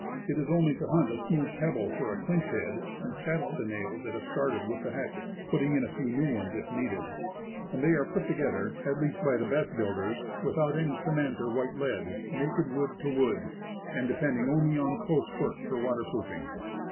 It is only to hunt a smooth pebble for a clinch head, and settle the nails that have started with the hatchet, putting in a few new ones if needed. And they are put together, at least by the best build ers, without any cement or white lead, naked wood Various Craft. 143 to wood, and depending only on close work for water proofing.